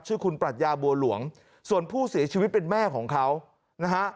ชื่อคุณปรัชญาบัวหลวงส่วนผู้เสียชีวิตเป็นแม่ของเขานะฮะ